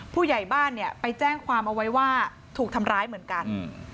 ผู้ใหญ่บ้านเนี่ยไปแจ้งความเอาไว้ว่าถูกทำร้ายเหมือนกัน